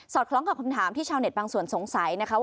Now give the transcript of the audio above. คล้องกับคำถามที่ชาวเน็ตบางส่วนสงสัยนะคะว่า